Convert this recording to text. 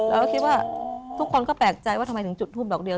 เราก็คิดว่าทุกคนก็แปลกใจว่าทำไมถึงจุดทูปดอกเดียว